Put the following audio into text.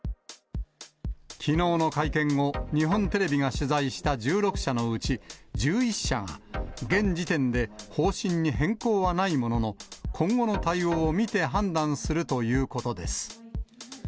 きのうの会見後、日本テレビが取材した１６社のうち１１社が、現時点で方針に変更はないものの、今後の対応を見て判断するということです。